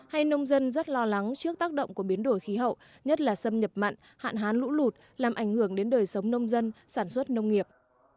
hay nông dân rất lo lắng trước tác động của biến đổi khí hậu nhất là xâm nhập mặn hạn hán lũ lụt làm ảnh hưởng đến đời sống nông dân sản xuất nông nghiệp